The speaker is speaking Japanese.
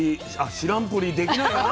知らんぷりできないな。